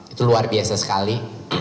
itu luar biasa sekali